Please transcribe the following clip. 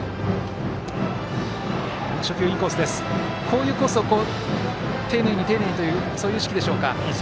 こういうコースを丁寧に丁寧にというそういう意識でしょうか。